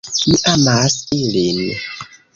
Mi amas ilin!